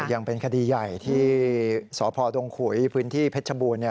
ยังเป็นคดีใหญ่ที่สพดงขุยพื้นที่เพชรบูรณ์